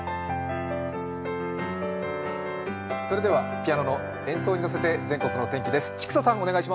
ピアノの演奏に乗せて、全国のお天気です。